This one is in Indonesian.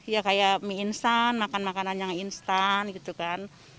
ya kayak mie instan makan makanan yang instan gitu kan